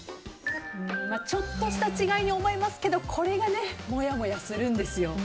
ちょっとした違いに思いますけどこれが、もやもやするんですよ。